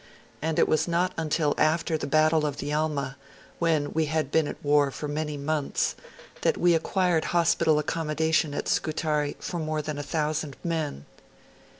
And it was not until after the battle of the Alma, when we had been at war for many months, that we acquired hospital accommodations at Scutari for more than a thousand men.